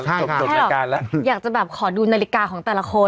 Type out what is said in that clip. จบดรายการแล้วอยากจะแบบขอดูนาฬิกาของแต่ละคน